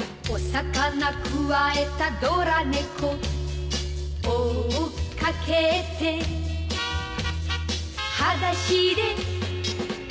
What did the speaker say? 「お魚くわえたドラ猫」「追っかけて」「はだしでかけてく」